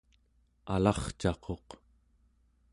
alarcaquq